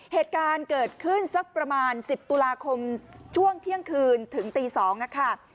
เหตุการณ์เกิดขึ้นสักประมาณ๑๐ตุลาคมช่วงเที่ยงคืนถึงตี๒ค่ะ